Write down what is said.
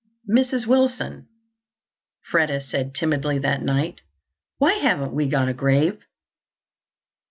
"Mrs. Wilson," Freda said timidly that night, "why haven't we got a grave?"